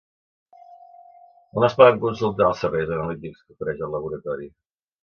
On es poden consultar els serveis analítics que ofereix el laboratori?